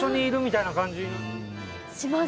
します。